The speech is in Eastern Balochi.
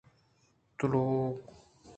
تلاوگ